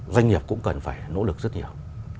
doanh nghiệp cũng cần phải nỗ lực rất nhiều